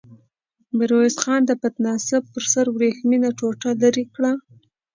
ميرويس خان د پتناسه پر سر ورېښمينه ټوټه ليرې کړه.